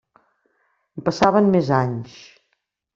I passaven més anys.